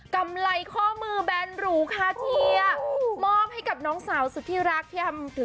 กำไรข้อมือแบนหรูคาเทียมอบให้กับน้องสาวสุดที่รักที่ทำถือ